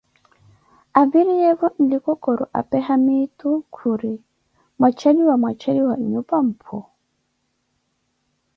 Aviriyeevo nlikokoro apee haamitu khuri mwacheliwa mwacheliwa nyupa mphu ?